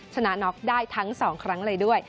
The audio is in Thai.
ชนะน็อกได้ทั้ง๒ครั้งเลยด้วย